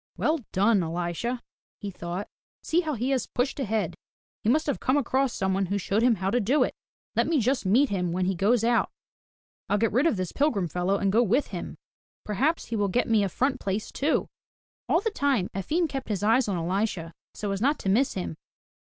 "Well done, Elisha!*' he thought. "See how he has pushed ahead. He must have come across someone who showed him how to do it. Let me just meet him when he goes out, ril get rid of this pilgrim fellow and go with him. Per haps he will get me a front place too!*' All the time Efim kept his eyes on Elisha, so as not to miss him.